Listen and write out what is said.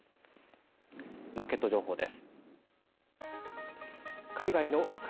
マーケット情報です。